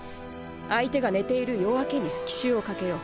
相手が寝ている夜明けに奇襲をかけよう。